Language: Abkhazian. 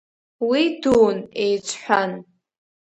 Уи дуун, еиҵҳәан.